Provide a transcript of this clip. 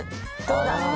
どうだ？